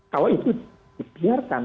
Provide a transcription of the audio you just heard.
kalau itu dibiarkan